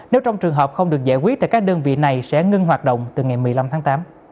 nếu trong trường hợp không được giải quyết thì các đơn vị này sẽ ngưng hoạt động từ ngày một mươi năm tháng tám